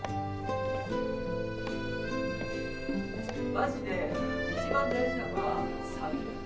マジで一番大事なのはサビ。